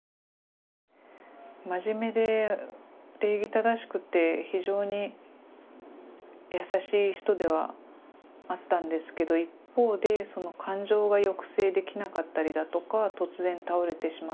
真面目で礼儀正しくて非常に優しい人ではあったんですけど一方で感情が抑制できなかったりだとか突然倒れてしまったり。